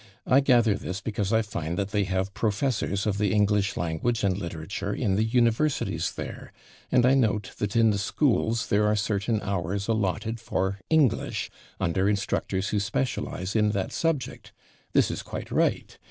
I gather this because I find that they have professors of the English language and literature in the Universities there, and I note that in the schools there are certain hours alloted for "English" under instructors who specialize in that subject. This is quite right.